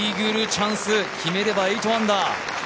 チャンス決めれば８アンダー。